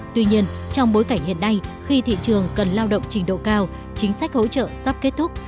tuy nhiên trong bối cảnh hiện nay khi thị trường cần lao động trình độ cao chính sách hỗ trợ sắp kết thúc